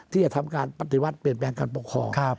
ที่จะทำการปฏิวัติเปลี่ยนแปลงการปกครอง